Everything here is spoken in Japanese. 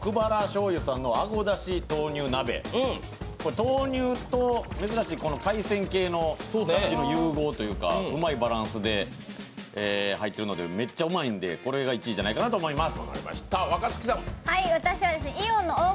豆乳と珍しい海鮮系の融合というかうまいバランスで入っているのでめっちゃうまいんで、これが１位じゃないかと思います。